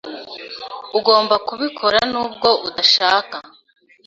Ugomba kubikora nubwo udashaka.